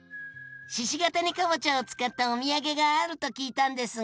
鹿ケ谷かぼちゃを使ったおみやげがあると聞いたんですが。